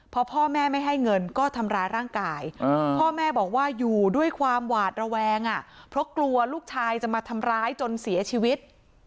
พอพ่อแม่ไม่ให้เงินก็ทำร้ายร่างกายพ่อแม่บอกว่าอยู่ด้วยความหวาดระแวงเพราะกลัวลูกชายจะมาทำร้ายจนเสียชีวิต